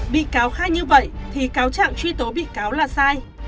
bị cáo khai như vậy thì cáo trạng truy tố bị cáo là sai